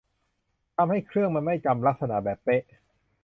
ทำให้เครื่องมันไม่จำลักษณะแบบเป๊ะ